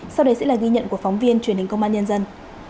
sau đây sẽ là ghi nhận của phóng viên truyền hình công an nhân dân